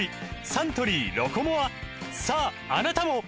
サントリー「ロコモア」さああなたも！